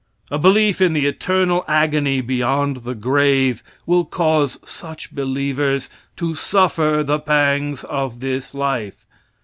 A belief in the eternal agony beyond the grave will cause such believers to suffer the pangs of this life.